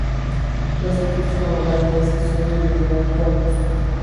Los frutos como bayas son en realidad pomos.